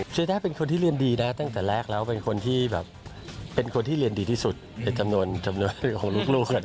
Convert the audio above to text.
เดต้าเป็นคนที่เรียนดีนะตั้งแต่แรกแล้วเป็นคนที่แบบเป็นคนที่เรียนดีที่สุดในจำนวนของลูกรวด